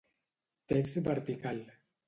Text vertical: